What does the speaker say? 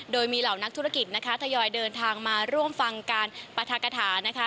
โดยมีเหล่านักธุรกิจนะคะทยอยเดินทางมาร่วมฟังการปรัฐกฐานะคะ